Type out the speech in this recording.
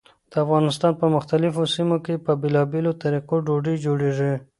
د افغانستان په مختلفو سیمو کې په بېلابېلو طریقو ډوډۍ جوړېږي.